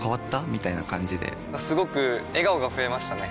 みたいな感じですごく笑顔が増えましたね！